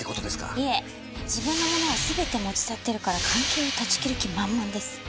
いえ自分のものを全て持ち去ってるから関係を断ち切る気満々です。